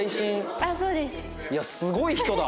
いやすごい人だ。